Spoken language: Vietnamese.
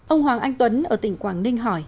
ông hoàng anh tuấn ở tỉnh quảng ninh hỏi